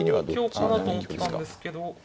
本命は７二香かなと思ったんですけど。